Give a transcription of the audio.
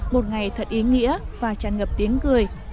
một ngày thật ý nghĩa và tràn ngập tiếng cười